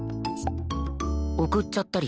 送っちゃったりして